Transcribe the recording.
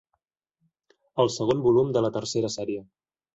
El segon volum de la tercera sèrie.